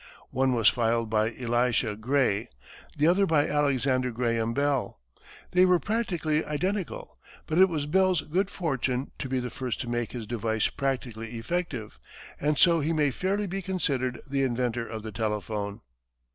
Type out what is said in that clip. One was filed by Elisha Gray, the other by Alexander Graham Bell. They were practically identical, but it was Bell's good fortune to be the first to make his device practically effective, and so he may fairly be considered the inventor of the telephone.